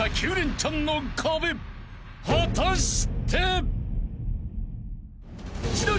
［果たして］